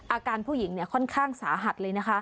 อาการผู้หญิงค่อนข้างสาหัสเลยนะคะ